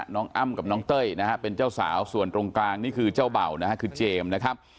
อ้ำกับน้องเต้ยนะฮะเป็นเจ้าสาวส่วนตรงกลางนี่คือเจ้าเบ่านะฮะคือเจมส์นะครับ